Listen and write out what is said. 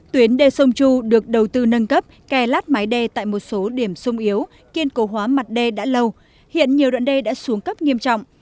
tuyến đê sông chu được đầu tư nâng cấp kè lát mái đê tại một số điểm sung yếu kiên cố hóa mặt đê đã lâu hiện nhiều đoạn đê đã xuống cấp nghiêm trọng